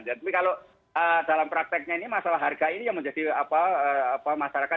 tapi kalau dalam prakteknya ini masalah harga ini yang menjadi masyarakat